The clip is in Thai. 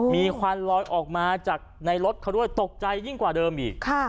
มีควันลอยออกมาจากในรถเขาด้วยตกใจยิ่งกว่าเดิมอีก